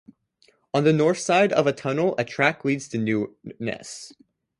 On the north side of the tunnel, a track leads to Newnes.